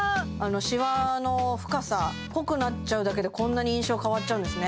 しわの深さ濃くなっちゃうだけでこんなに印象変わっちゃうんですね